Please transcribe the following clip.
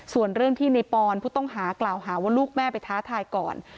ส่วนเรื่องที่ในปอนผู้ต้องหากล่าวหาว่าลูกแม่ไปท้าทายก่อน